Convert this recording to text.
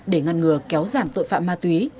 để ngăn ngừa kéo giảm tội phạm ma túy